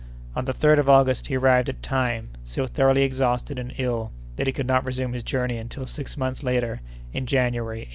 On the 3d of August he arrived at Timé, so thoroughly exhausted and ill that he could not resume his journey until six months later, in January, 1828.